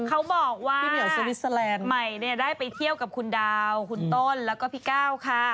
เขาบอกว่าใหม่เนี่ยได้ไปเที่ยวกับคุณดาวคุณต้นแล้วก็พี่ก้าวค่ะ